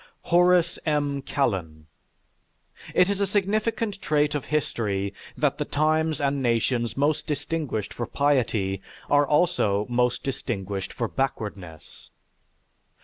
HORACE M. KALLEN It is a significant trait of history that the times and nations most distinguished for piety are also most distinguished for backwardness.